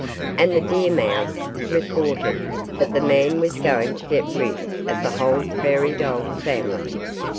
And the deer mouse reported that the man was going to get rid of the whole prairie dog family.